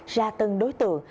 ra tân đối tượng